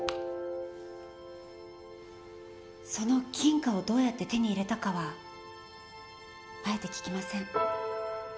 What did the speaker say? その金貨をどうやって手に入れたかはあえて聞きません。